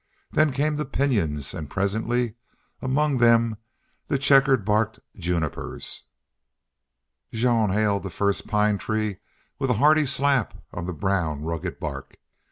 Then came the pinyons, and presently among them the checker barked junipers. Jean hailed the first pine tree with a hearty slap on the brown, rugged bark.